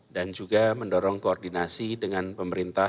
dan juga mendorong koordinasi dengan pemerintah